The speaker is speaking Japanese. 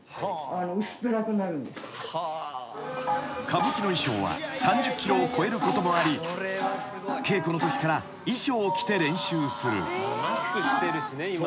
［歌舞伎の衣装は３０ｋｇを超えることもあり稽古のときから衣装を着て練習する］